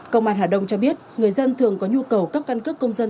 công an hà đông cho biết người dân thường có nhu cầu cấp căn cước công dân